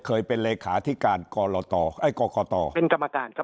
เคยเป็นเลขาธิการกรตไอ้กรกตเป็นกรรมการครับ